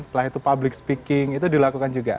setelah itu public speaking itu dilakukan juga